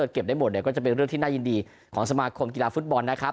เก็บได้หมดเนี่ยก็จะเป็นเรื่องที่น่ายินดีของสมาคมกีฬาฟุตบอลนะครับ